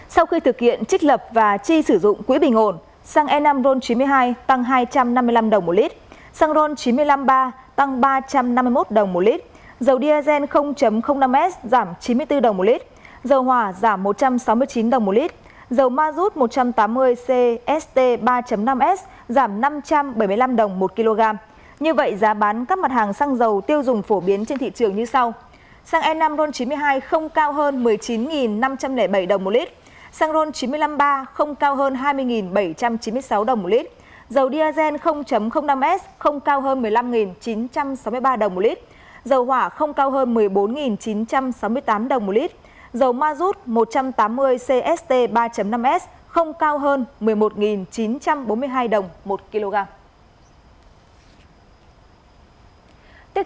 sau khi thực hiện chích lập và chi sử dụng quỹ bình hồn xăng e năm ron chín mươi hai tăng hai trăm năm mươi năm đồng một lít